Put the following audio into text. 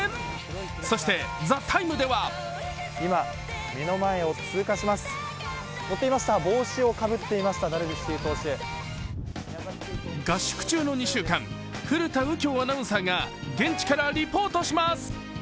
そして「ＴＨＥＴＩＭＥ，」では合宿中の２週間、古田敬郷アナウンサーが現地からリポートします。